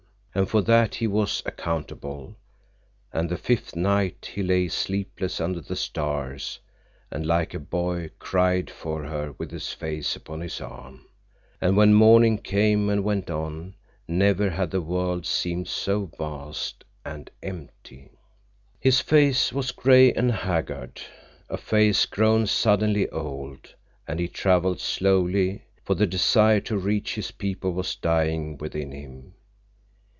And for that he was accountable, and the fifth night he lay sleepless under the stars, and like a boy he cried for her with his face upon his arm, and when morning came, and he went on, never had the world seemed so vast and empty. His face was gray and haggard, a face grown suddenly old, and he traveled slowly, for the desire to reach his people was dying within him.